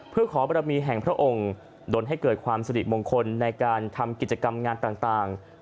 เพื่อขอบรมีแห่งพระองค์ดนให้เกิดความสริมงคลในการทำกิจกรรมงานต่าง